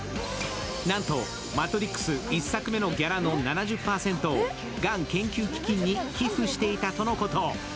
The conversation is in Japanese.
なんと「マトリックス」１作目のギャラの７０％をがん研究基金に寄付していたとのこと。